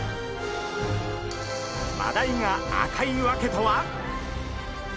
マダイが赤い訳とは！？